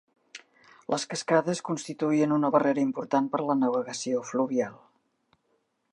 Les cascades constituïen una barrera important per a la navegació fluvial.